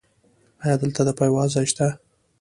ایا دلته د پایواز ځای شته؟